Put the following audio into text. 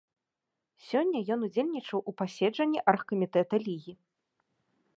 Сёння ён удзельнічаў у паседжанні аргкамітэта лігі.